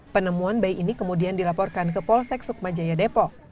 penemuan bayi ini kemudian dilaporkan ke polsek sukma jaya depok